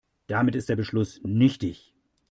Damit ist der Beschluss nichtig.